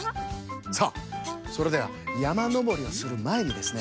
さあそれではやまのぼりをするまえにですね